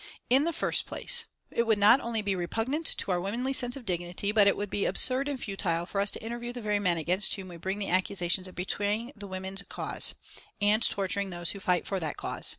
In the first place, it would not only be repugnant to our womanly sense of dignity, but it would be absurd and futile for us to interview the very men against whom we bring the accusations of betraying the Women's Cause and torturing those who fight for that Cause.